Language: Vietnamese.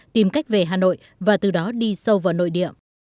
tìm cách về hà nội và từ đó đi sâu vào nội địa